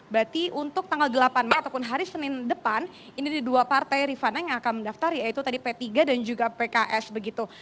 berarti untuk tanggal delapan mei ataupun hari senin depan ini ada dua partai rifana yang akan mendaftar yaitu tadi p tiga dan juga pks begitu